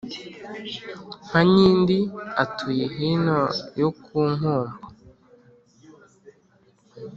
kankindi atuye hino yo kunkombo